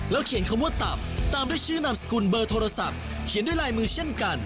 เขียนคำว่าตับตามด้วยชื่อนามสกุลเบอร์โทรศัพท์เขียนด้วยลายมือเช่นกัน